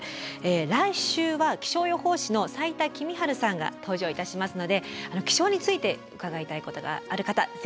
来週は気象予報士の斉田季実治さんが登場いたしますので気象について伺いたいことがある方ぜひお寄せ下さい。